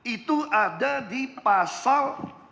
itu ada di pasal